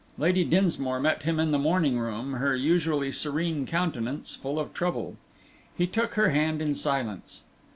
Lady Dinsmore met him in the morning room, her usually serene countenance full of trouble. He took her hand in silence.